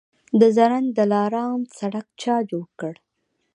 د زرنج دلارام سړک چا جوړ کړ؟